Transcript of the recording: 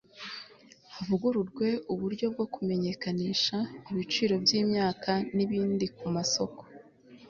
havugururwe uburyo bwo kumenyekanisha ibiciro by'imyaka n'ibindi ku masoko